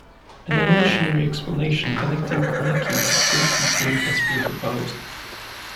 An evolutionary explanation connecting lekking to fruit-eating has been proposed.